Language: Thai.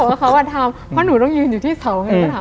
เออเขาบอกว่าทำเพราะหนูต้องยืนอยู่ที่เสาไง